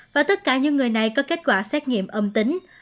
và tất cả những người này có kết quả xét nghiệm âm tính